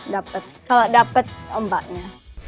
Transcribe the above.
dapet kalau dapet ombaknya